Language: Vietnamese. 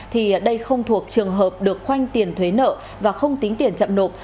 thì đây không thuộc trường hợp được khoanh tiền thuế nợ và không tính tiền chậm nộp